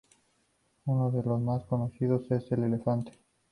Uno de los más conocidos es el elefante.